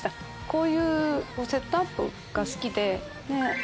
こういうセットアップが好きで。